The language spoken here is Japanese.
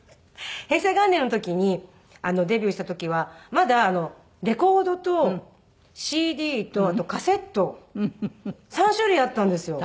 平成元年の時にデビューした時はまだレコードとＣＤとあとカセット３種類あったんですよ。